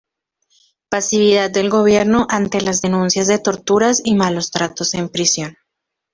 Pasividad del Gobierno ante las denuncias de torturas y malos tratos en prisión.